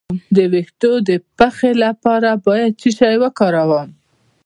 د ویښتو د پخې لپاره باید څه شی وکاروم؟